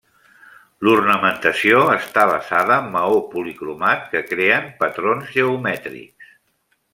L'ornamentació està basada en maó policromat, que creen patrons geomètrics.